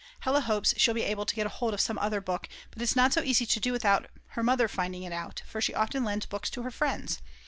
Hella hopes she'll be able to get hold of some other book, but it's not so easy to do without her mother finding it out, for she often lends books to her friends.